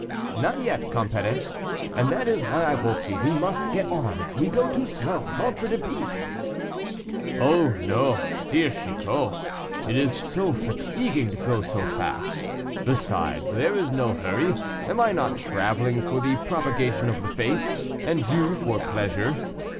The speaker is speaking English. "Not yet, compère, and that is why I woke you; we must get on; we go too slow, ventre de biche!" "Oh, no, dear M. Chicot; it is so fatiguing to go fast. Besides, there is no hurry: am I not traveling for the propagation of the faith, and you for pleasure?